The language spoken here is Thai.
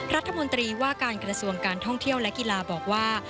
รัฐมนตรีว่าการกระทรวงการท่องเที่ยวและกีฬาบอกว่า